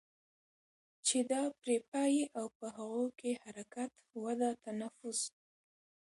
چې دا پرې پايي او په هغو کې حرکت، وده، تنفس